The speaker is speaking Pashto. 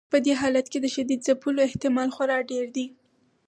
په دې حالت کې د شدید ځپلو احتمال خورا ډیر دی.